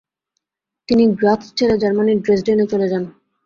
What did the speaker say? তিনি গ্রাৎস ছেড়ে জার্মানির ড্রেসডেনে চলে যান।